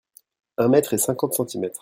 Un mètre et cinquante centimètres.